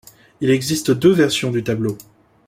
Il existe deux versions du tableau.